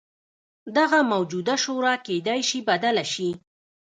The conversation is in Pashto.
دغه موجوده شورا کېدای شي بدله شي.